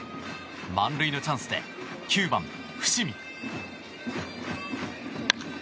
満塁のチャンスで９番、伏見。